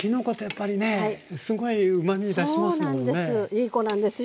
いい子なんですよ。